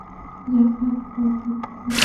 যা ভাগ, তোর কাজে তুই যা।